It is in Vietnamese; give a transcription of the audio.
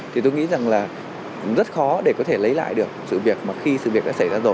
thì tôi nghĩ rằng là rất khó để có thể lấy lại được sự việc mà khi sự việc đã xảy ra rồi